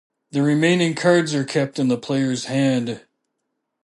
The remaining cards are kept in the player's hand.